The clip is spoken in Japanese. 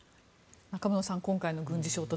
中室さん、今回の軍事衝突